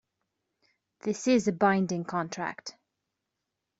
This is a binding contract.